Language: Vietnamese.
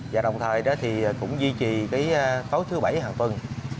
và đồng thời cũng duy trì pháo thứ bảy hàng tuần